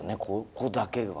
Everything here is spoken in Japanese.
ここだけ。